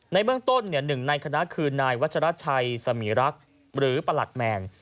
ในเบื้องต้นหนึ่งในคณะคือนายวัชราชัยสมีรักษ์หรือประหลัดแมน